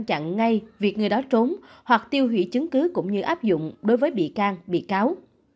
chặn ngay việc người đó trốn hoặc tiêu hủy chứng cứ cũng như áp dụng đối với bị can bị cáo